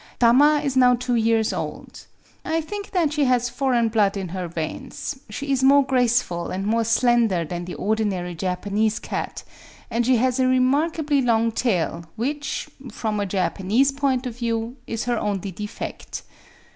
Tama is now two years old. I think that she has ft>reign blood in her veins : she is more graceftil and more slender than the ordinary Japanese cat ; and she has a remarkably long tail, which, from a Japanese point of view, is her only defect.